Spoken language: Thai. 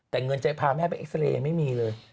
แต่เงินจะพาแม่ไปเอ็กซาเรย์ยังไม่มีเลย